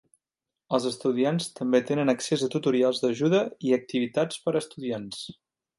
Els estudiants també tenen accés a tutorials d'ajuda i activitats per a estudiants.